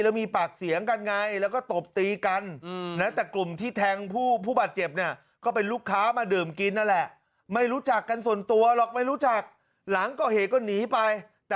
ว่าเคยรู้จักว่าเคยทำอย่างนั้นมาก่อนเลยครับ